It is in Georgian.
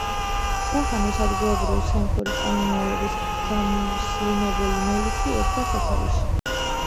სახანოს ადგილობრივი სომხური წარმომავლობის გამუსლიმებული მელიქი ედგა სათავეში.